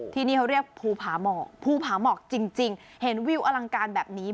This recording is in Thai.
ที่นี่เขาเรียกภูผาหมอกภูผาหมอกจริงเห็นวิวอลังการแบบนี้